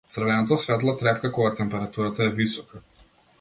Црвеното светло трепка кога температурата е висока.